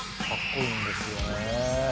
カッコいいんですよね。